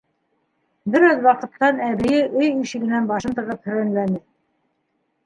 Бер аҙ ваҡыттан әбейе өй ишегенән башын тығып һөрәнләне: